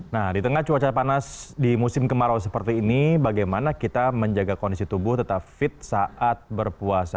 nah di tengah cuaca panas di musim kemarau seperti ini bagaimana kita menjaga kondisi tubuh tetap fit saat berpuasa